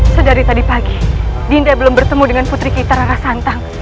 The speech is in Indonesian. sedari tadi pagi dinda belum bertemu dengan putri kita rara santang